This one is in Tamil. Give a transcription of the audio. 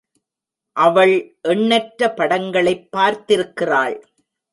அவள் எண்ணற்ற படங்களைப் பார்த்திருக்கிறாள்.